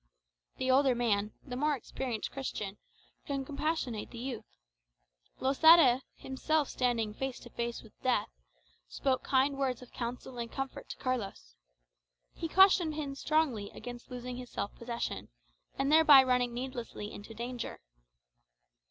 The older man, the more experienced Christian, could compassionate the youth. Losada, himself standing "face to face with death," spoke kind words of counsel and comfort to Carlos. He cautioned him strongly against losing his self possession, and thereby running needlessly into danger.